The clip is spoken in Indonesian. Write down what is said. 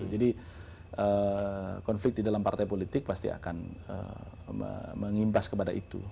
konflik di dalam partai politik pasti akan mengimbas kepada itu